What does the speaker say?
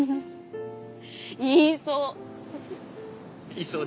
言いそう！